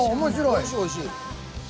おいしいおいしい。